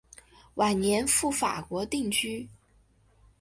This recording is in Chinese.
晚年赴法国定居。